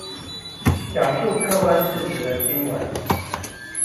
講述客觀事實的新聞